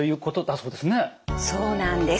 そうなんです。